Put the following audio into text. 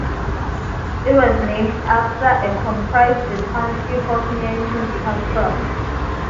It was named after and comprised the township of near Newcastle.